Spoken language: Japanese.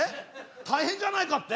大変じゃないかって？